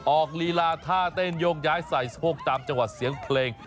ออกรีลาท่าเต้นย่วงย้ายใส่โทษตามจังหวัดเสียงเพลง